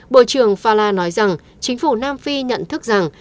bộ trường fala nói rằng chính phủ nam phi nhận thức rằng